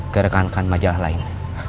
gerekankan majalah lain